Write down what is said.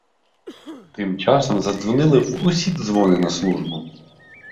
Тим часом задзвонили в усі дзвони на службу.